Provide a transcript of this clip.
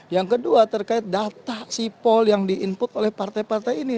yang kedua terkait data sipol yang di input oleh partai partai ini